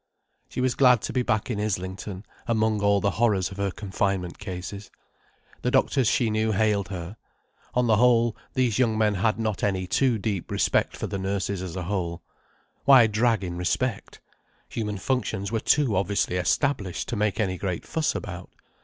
She was glad to be back in Islington, among all the horrors of her confinement cases. The doctors she knew hailed her. On the whole, these young men had not any too deep respect for the nurses as a whole. Why drag in respect? Human functions were too obviously established to make any great fuss about.